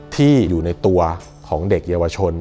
ที่อยู่ในตัวของเด็กเยาวชน